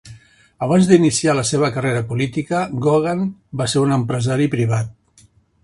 Abans d'iniciar la seva carrera política, Gogan va ser un empresari privat.